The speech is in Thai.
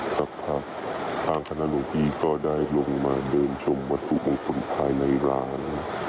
สภาทางคณะลูกนี้ก็ได้ลงมาเดินชมวัตถุมงคลภายในราว